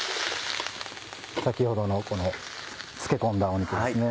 先ほどのこの漬け込んだ肉ですね